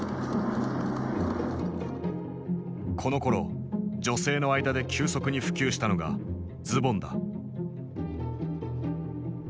このころ女性の間で急速に普及したのがズボンだ。